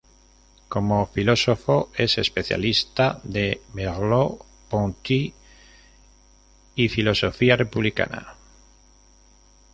Como filósofo, es especialista de Merleau-Ponty y filosofía republicana.